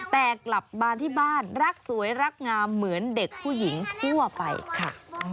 แต่กลับบ้านที่บ้านรักสวยรักงามเหมือนเด็กผู้หญิงทั่วไปค่ะ